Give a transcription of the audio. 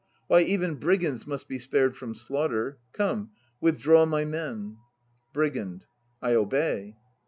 Why, even brigands must be spared from slaughter. Come, with draw my men. BRIGAND. I obey.